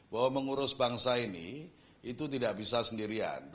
bahwa mengurus bangsa ini itu tidak bisa sendirian